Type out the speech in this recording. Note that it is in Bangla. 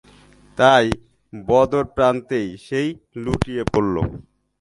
তাই বদর প্রান্তেই সে লুটিয়ে পড়ল।